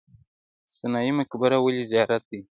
سنايي مقبره ولې زیارت دی؟